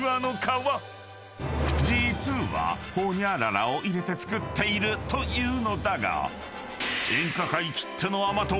［実はホニャララを入れて作っているというのだが演歌界きっての甘党